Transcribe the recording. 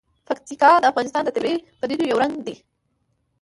پکتیکا د افغانستان د طبیعي پدیدو یو رنګ دی.